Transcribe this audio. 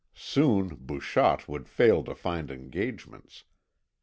Soon Bouchotte would fail to find engagements.